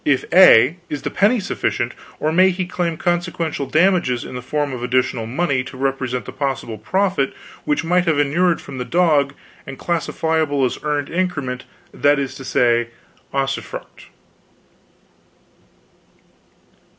If A, is the penny sufficient, or may he claim consequential damages in the form of additional money to represent the possible profit which might have inured from the dog, and classifiable as earned increment, that is to say, usufruct?"